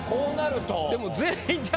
でも全員じゃあ。